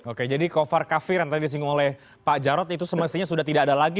oke jadi kofar kafir yang tadi disinggung oleh pak jarod itu semestinya sudah tidak ada lagi